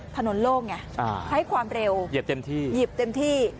ถนนโลกให้ความเร็วหยิบเต็มที่